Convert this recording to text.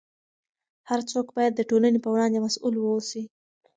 هر څوک باید د ټولنې په وړاندې مسؤل واوسي.